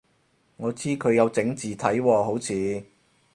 我知佢有整字體喎好似